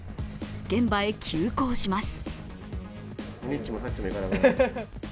現場へ急行します。